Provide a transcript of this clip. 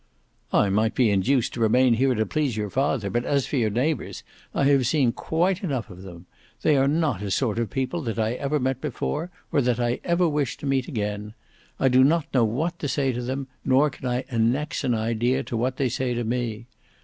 "I might be induced to remain here to please your father, but as for your neighbours I have seen quite enough of them. They are not a sort of people that I ever met before, or that I wish to meet again. I do not know what to say to them, nor can I annex an idea to what they say to me.